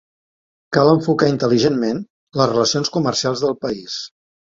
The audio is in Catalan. Cal enfocar intel·ligentment les relacions comercials del país.